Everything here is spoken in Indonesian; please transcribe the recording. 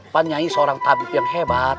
penyanyi seorang tabib yang hebat